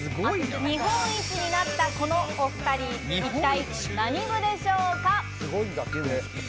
日本一になったこのお二人、一体何部でしょうか？